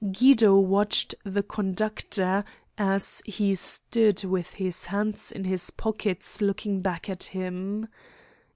Guido watched the conductor, as he stood with his hands in his pockets looking back at him.